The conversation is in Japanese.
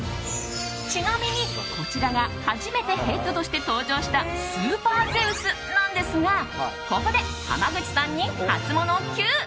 ちなみに、こちらが初めてヘッドとして登場したスーパーゼウスなんですがここで、濱口さんにハツモノＱ！